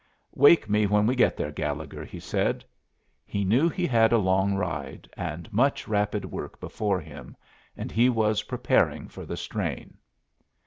"Wake me when we get there, Gallegher," he said. He knew he had a long ride, and much rapid work before him, and he was preparing for the strain.